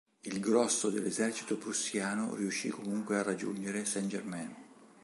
Il grosso dell'esercito prussiano riuscì comunque a raggiungere Saint-Germain.